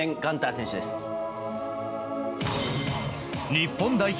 日本代表